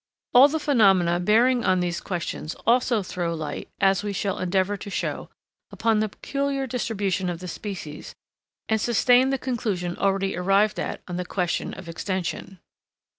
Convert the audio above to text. _ All the phenomena bearing on these questions also throw light, as we shall endeavor to show, upon the peculiar distribution of the species, and sustain the conclusion already arrived at on the question of extension.